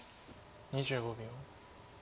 ２５秒。